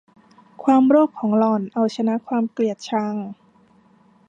ความโลภของหล่อนเอาชนะความเกลียดชัง